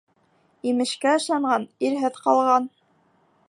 Имешкә ышанған ирһеҙ ҡалған.